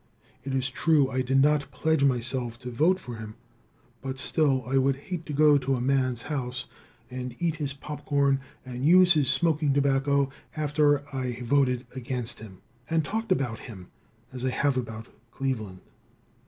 It is true I did not pledge myself to vote for him, but still I would hate to go to a man's house and eat his popcorn and use his smoking tobacco after I had voted against him and talked about him as I have about Cleveland.